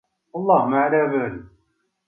قد هجرت النديم والندمانا